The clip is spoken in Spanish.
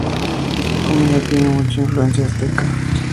Esta comida tiene mucha influencia azteca.